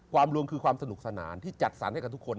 รวมคือความสนุกสนานที่จัดสรรให้กับทุกคน